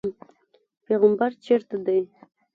پیغمبر چېرته دی.